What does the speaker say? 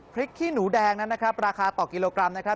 ขี้หนูแดงนั้นนะครับราคาต่อกิโลกรัมนะครับ